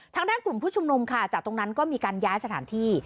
ทางด้านกลุ่มผู้ชุมนุมค่ะจากตรงนั้นก็มีการย้ายสถานที่